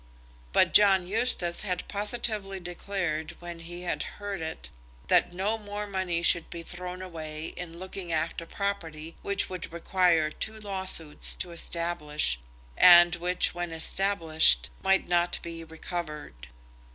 But John Eustace had positively declared when he heard it that no more money should be thrown away in looking after property which would require two lawsuits to establish, and which, when established, might not be recovered.